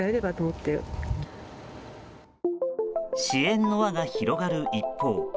支援の輪が広がる一方